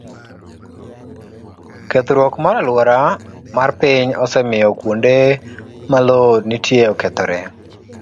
Kethruok mar alwora mar piny osemiyo kuonde ma lowo nitie okethore.